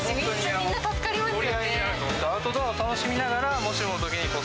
みんな助かりますよね。